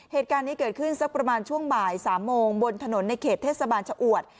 เหตุการณ์นี้เกิดขึ้นสักประมาณช่วงบ่าย๓โมงบนถนนในเขตเทศบาลชะอวด